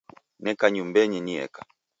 Neka nyumbenyi nieka